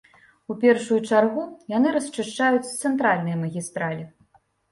У першую чаргу яны расчышчаюць цэнтральныя магістралі.